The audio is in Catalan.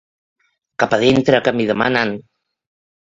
Cap a dintre que m'hi demanen.